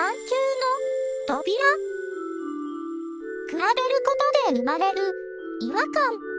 比べることで生まれる違和感。